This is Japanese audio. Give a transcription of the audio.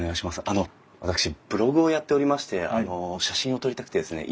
あの私ブログをやっておりましてあの写真を撮りたくてですね